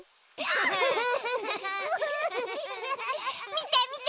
みてみて。